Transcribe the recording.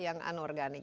sampah yang unorganik